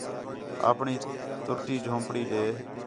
اپݨی تُرُٹی جھونپڑی ݙے